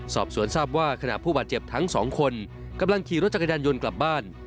สอบสวนทราบว่าขณะผู้บาดเจ็บทั้งสองคนกำลังขี่รถจักรยานยนต์กลับบ้าน